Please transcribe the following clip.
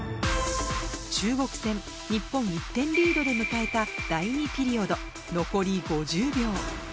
中国戦、日本１点リードで迎えた第２ピリオド、残り５０秒。